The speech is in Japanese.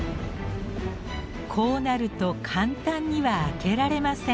こうなると簡単には開けられません。